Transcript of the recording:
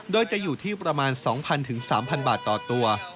โดยจะอยู่ที่ประมาณ๒๐๐๓๐๐บาทต่อตัว